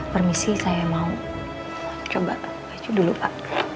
permisi saya mau coba pacu dulu pak